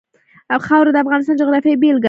خاوره د افغانستان د جغرافیې بېلګه ده.